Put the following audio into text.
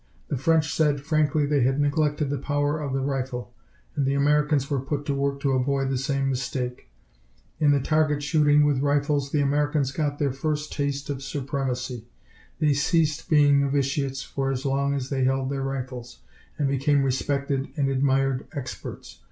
The French said frankly they had neglected the power of the rifle, and the Americans were put to work to avoid the same mistake. In target shooting with rifles the Americans got their first taste of supremacy. They ceased being novitiates for as long as they held their rifles, and became respected and admired experts.